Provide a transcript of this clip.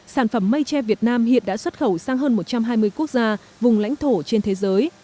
sản phẩm mây tre việt nam hiện đã xuất khẩu sang hơn một trăm hai mươi quốc gia vùng lãnh thổ trên thế giới